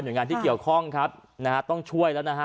โดยงานที่เกี่ยวข้องครับนะฮะต้องช่วยแล้วนะฮะ